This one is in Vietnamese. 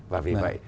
và vì vậy